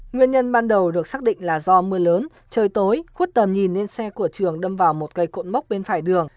nguyên nhân ban đầu được xác định là do mưa lớn trời tối khuất tầm nhìn lên xe của trường đâm vào một cây cột mốc bên phải đường